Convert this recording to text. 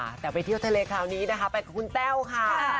เราไปเที่ยวทะเลคราวนี้นะใครก็คุณแฟลว์ค่ะ